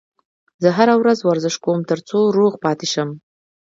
زه هره ورځ ورزش کوم ترڅو روغ پاتې شم